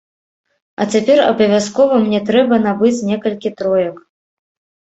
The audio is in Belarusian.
А цяпер абавязкова мне трэба набыць некалькі троек.